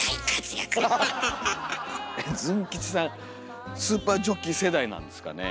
ズン吉さん「スーパーＪＯＣＫＥＹ」世代なんですかね。